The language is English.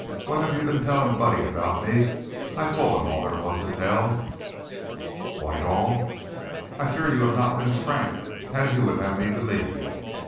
"What have you been telling Buddy about me? I told him all there was to tell." "Quite all? I fear you have not been as frank as you would have me believe.